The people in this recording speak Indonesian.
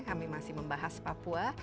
kami masih membahas papua